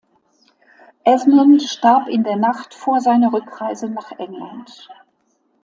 Esmond starb in der Nacht vor seiner Rückreise nach England.